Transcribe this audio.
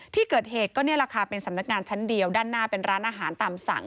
ที่เกิดเหตุก็นี่แหละค่ะเป็นสำนักงานชั้นเดียวด้านหน้าเป็นร้านอาหารตามสั่ง